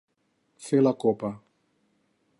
Fer la copa.